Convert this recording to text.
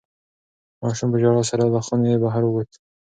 ماشوم په ژړا سره له خونې بهر ووت.